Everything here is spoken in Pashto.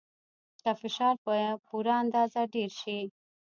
که فشار په پوره اندازه ډیر شي.